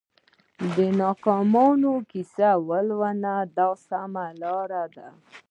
د ناکامیونو کیسې ولولئ دا سمه لار ده.